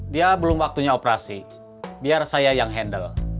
dia belum waktunya operasi biar saya yang handle